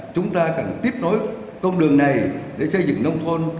chúng ta cần tiếp nối con đường này để xây dựng nông thôn